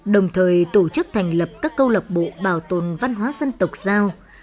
đồng thời tổ chức thành lập các câu lạc bộ bảo tồn văn hóa dân tộc giao